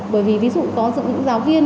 bởi vì ví dụ có những giáo viên